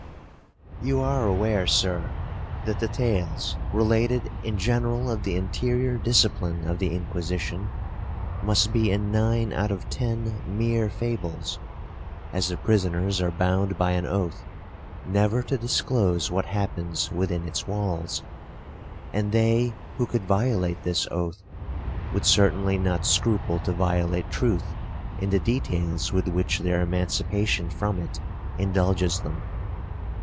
'You are aware, Sir, that the tales related in general of the interior discipline of the Inquisition, must be in nine out of ten mere fables, as the prisoners are bound by an oath never to disclose what happens within its walls; and they who could violate this oath, would certainly not scruple to violate truth in the details with which their emancipation from it indulges them.